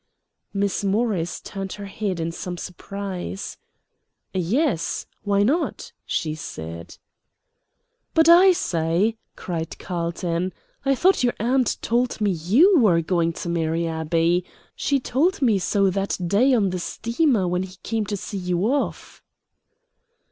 Miss Morris turned her head in some surprise. "Yes why not?" she said. "But I say!" cried Carlton, "I thought your aunt told me that YOU were going to marry Abbey; she told me so that day on the steamer when he came to see you off."